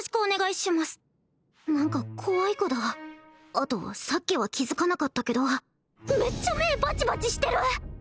何か怖い子だあとさっきは気づかなかったけどめっちゃ目バチバチしてる！